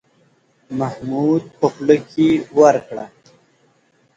محمود په خوله کې ورکړه.